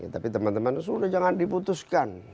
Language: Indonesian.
tapi teman teman sudah jangan diputuskan